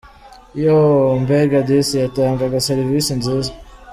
yoooooooooo mbega disi yatangaga service nziza.